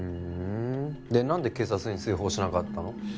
ふんで何で警察に通報しなかったの？